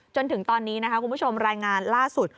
จนถึงตอนนี้นะคะคุณผู้ชมรายงานล่าสุด